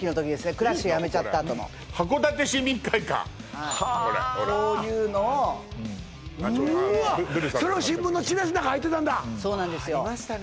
クラッシュやめちゃったあとの函館市民会館ほらほらこういうのをうわっそれを新聞のチラシの中入ってたんだそうなんですよありましたね